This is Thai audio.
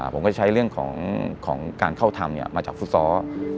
ผมก็ใช้เรื่องของการเข้าทำมาจากฟุตซอล